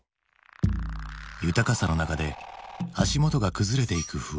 豊かさの中で足元が崩れていく不安。